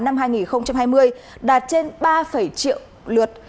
năm hai nghìn hai mươi đạt trên ba triệu lượt